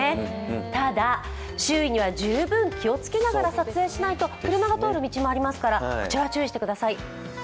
ただ、周囲には十分気を付けながら撮影しないと車が通る道もありますからこちら、注意してください。